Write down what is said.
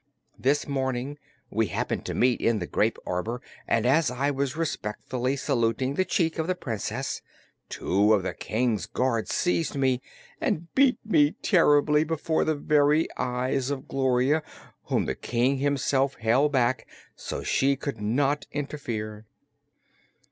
This morning we happened to meet in the grape arbor and as I was respectfully saluting the cheek of the Princess, two of the King's guards seized me and beat me terribly before the very eyes of Gloria, whom the King himself held back so she could not interfere."